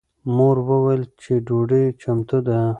مور وویل چې ډوډۍ چمتو ده.